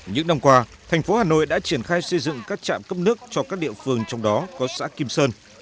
những năm qua thành phố hà nội đã triển khai xây dựng các trạm cấp nước cho các địa phương trong đó có xã kim sơn